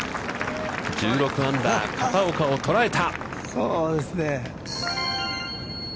１６アンダー、片岡を捉えた。